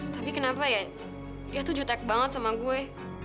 tapi kenapa ya ya tuh jutek banget sama gue